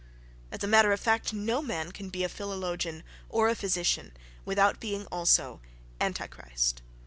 As a matter of fact no man can be a philologian or a physician without being also Antichrist.